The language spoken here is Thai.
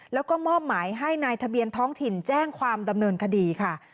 แล้วก็มอบหมายให้นายทะเบียนท้องถิ่นแจ้งความดำเนินคดีค่ะ